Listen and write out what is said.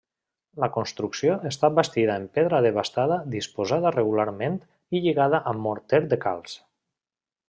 La construcció està bastida en pedra desbastada disposada regularment i lligada amb morter de calç.